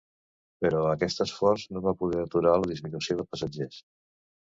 Però aquest esforç no va poder aturar la disminució de passatgers.